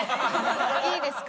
いいですか？